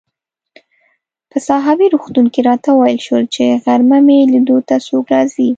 په ساحوي روغتون کې راته وویل شول چي غرمه مې لیدو ته څوک راځي.